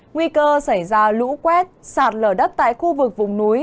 nguy cơ xảy ra lũ quét sạt lở đất tại khu vực vùng núi